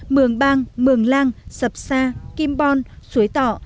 mường bang mường lang sập sa kim bon suối tọ